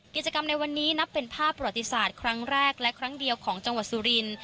กิจกรรมในวันนี้นับเป็นภาพประวัติศาสตร์ครั้งแรกและครั้งเดียวของจังหวัดสุรินทร์